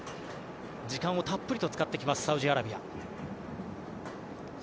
時間をたっぷりと使ってきますサウジアラビア。